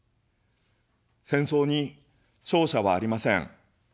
戦争に勝者はありません。